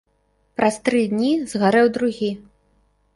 Праз тры дні згарэў другі.